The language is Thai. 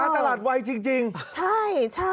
การตลาดไวท์จริงใช่ใช่